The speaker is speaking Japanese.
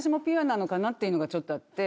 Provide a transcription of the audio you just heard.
なのかなっていうのがちょっとあって。